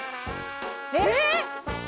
えっ！